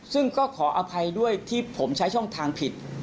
ซึ่งก็ขออภัยด้วยที่ผมใช้ช่องทางผิด